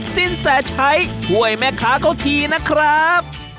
สินแสชัยช่วยแม่ค้าเขาทีนะครับ